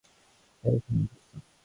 내 휴대폰이 멈췄어.